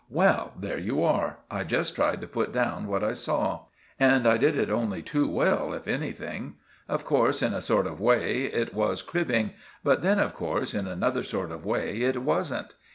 Well—there you are! I just tried to put down what I saw. And I did it only too well, if anything. Of course, in a sort of way, it was cribbing; but then, of course, in another sort of way, it wasn't.